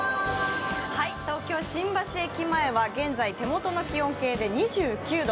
東京・新橋駅前は現在、手元の気温計で２９度。